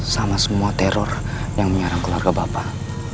sama semua teror yang menyerang keluarga bapak